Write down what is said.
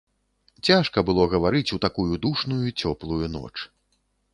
Цяжка было гаварыць у такую душную, цёплую ноч.